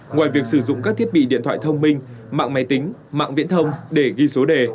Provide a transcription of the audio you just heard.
ngoài việc sử dụng các thiết bị điện thoại thông minh mạng máy tính mạng viễn thông để ghi số đề